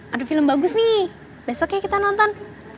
ada film bagus nih besoknya kita nonton